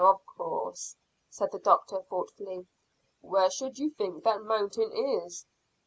"Of course," said the doctor thoughtfully. "Where should you think that mountain is?"